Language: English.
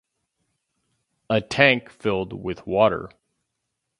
A tank filled with water.